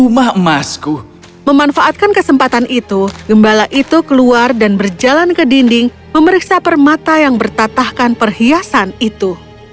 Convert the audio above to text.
memanfaatkan kesempatan itu gembala itu keluar dan berjalan ke dinding memeriksa permata yang bertatahkan perhiasan itu